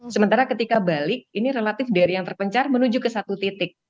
sementara ketika balik ini relatif dari yang terpencar menuju ke satu titik